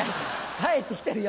帰ってきてるよ。